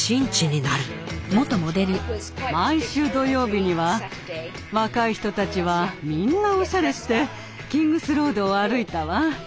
毎週土曜日には若い人たちはみんなオシャレしてキングスロードを歩いたわ。